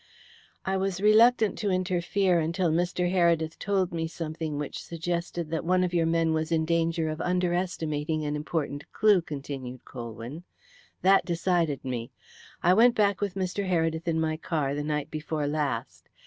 "I was reluctant to interfere until Mr. Heredith told me something which suggested that one of your men was in danger of underestimating an important clue," continued Colwyn. "That decided me. I went back with Mr. Heredith in my car the night before last.